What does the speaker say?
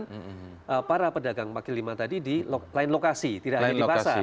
karena para pedagang kaki lima tadi di lain lokasi tidak hanya di pasar